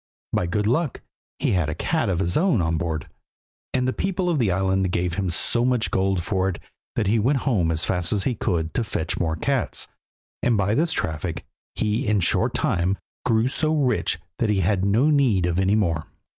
By good luck he had a cat of his own on board, and the people of the island gave him so much gold for it that he went home as fast as he could to fetch more cats, and by this traffic he in a short time grew so rich that he had no need of any more.